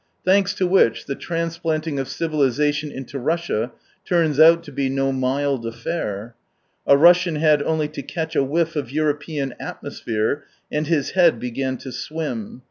Thanks to which, the transplanting of civilisation into Russia turns out to be no mild affair. A Russian had only to catch a whiff of European atmosphere, and his head bega,n to swim.